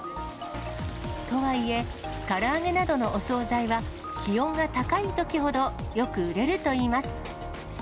とはいえ、から揚げなどのお総菜は気温が高いときほどよく売れるといいます。